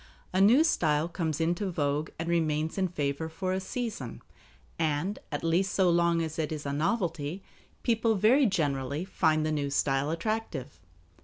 A new style comes into vogue and remains in favor for a season, and, at least so long as it is a novelty, people very generally find the new style attractive.